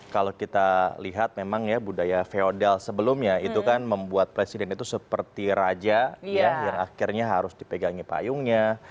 kalau kita lihat memang ya budaya feodel sebelumnya itu kan membuat presiden itu seperti raja yang akhirnya harus dipegangi payungnya